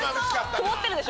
曇ってるでしょ？